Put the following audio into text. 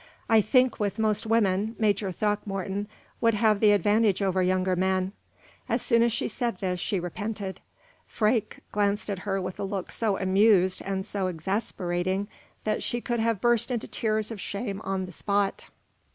"I think, with most women, Major Throckmorton would have the advantage over younger men." As soon as she said this, she repented. Freke glanced at her with a look so amused and so exasperating that she could have burst into tears of shame on the spot.